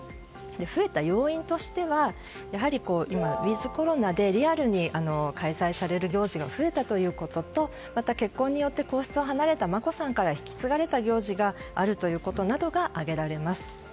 増えた要因としてはやはり今、ウィズコロナでリアルに開催される行事が増えたということとまた、結婚によって皇室を離れた眞子さんから引き継がれた行事があることなどが挙げられます。